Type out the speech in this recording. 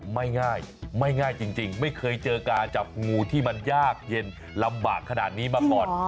ไม่ง่ายไม่ง่ายจริงไม่เคยเจอการจับงูที่มันยากเย็นลำบากขนาดนี้มาก่อน